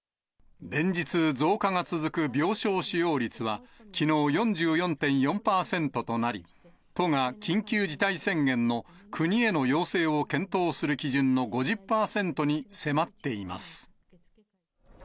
連日、増加が続く病床使用率はきのう４４．４％となり、都が緊急事態宣言の国への要請を検討する基準の５０％に迫っています。